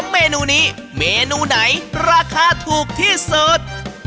เมนูนี้เมนูไหนราคาถูกที่สุด